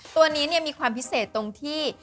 ตัวนี้มีความพิเศษตรงที่